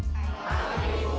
selamat pagi ibu